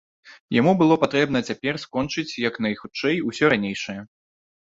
Яму было патрэбна цяпер скончыць як найхутчэй усё ранейшае.